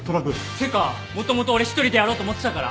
てかもともと俺一人でやろうと思ってたから！